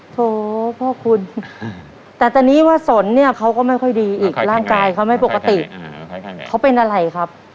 โถพ่อคุณแต่ตอนนี้ว่าสนเนี่ยเขาก็ไม่ค่อยดีอีกร่างกายเขาไม่ปกติเขาเป็นอะไรครับ